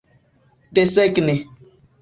desegni